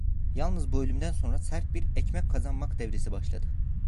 Yalnız bu ölümden sonra sert bir "ekmek kazanmak" devresi başladı.